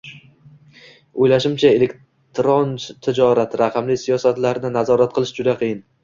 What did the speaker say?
O‘ylashimcha, elektron tijorat, raqamli siyosatlarni nazorat qilish juda qiyin.